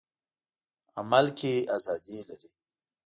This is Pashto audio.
عمل کې ازادي لري.